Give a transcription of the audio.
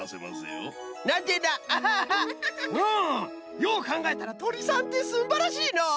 ようかんがえたらとりさんってすんばらしいのう！